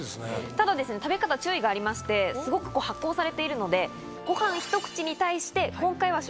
ただ食べ方注意がありましてすごくこう発酵されているので。